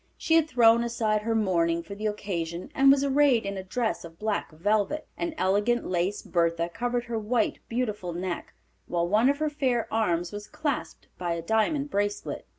She had thrown aside her mourning for the occasion and was arrayed in a dress of black velvet. An elegant lace bertha covered her white, beautiful neck, while one of her fair arms was clasped by a diamond bracelet.